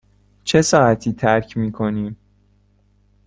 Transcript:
چه ساعتی ترک می کنیم؟